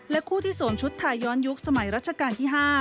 คู่ที่สวมชุดไทยย้อนยุคสมัยรัชกาลที่๕